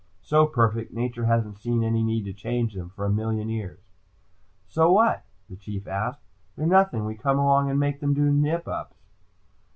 So perfect, nature hasn't seen any need to change them for a million years." "So what?" the Chief asked. "They're nothing. We come along and make them do nip ups."